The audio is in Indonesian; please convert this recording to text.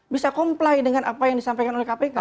bisa comply dengan apa yang disampaikan oleh kpk